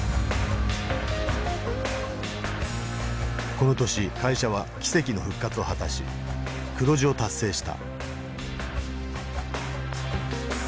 この年会社は奇跡の復活を果たし黒字を達成した。